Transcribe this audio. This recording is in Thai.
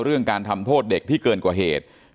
เรื่องการทำโทษเด็กที่เกินกว่าเหตุ